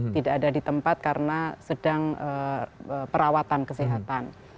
tidak ada di tempat karena sedang perawatan kesehatan